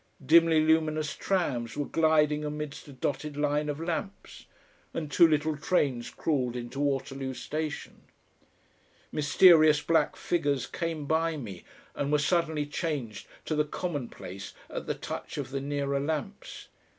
Dimly luminous trams were gliding amidst a dotted line of lamps, and two little trains crawled into Waterloo station. Mysterious black figures came by me and were suddenly changed to the commonplace at the touch of the nearer lamps.